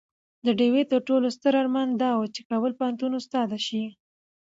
د ډيوې تر ټولو ستر ارمان دا وو چې د کابل پوهنتون استاده شي